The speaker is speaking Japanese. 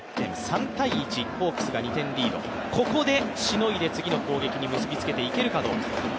３−１、ホークスが２点リード、ここでしのいで次につなげていけるかどうか。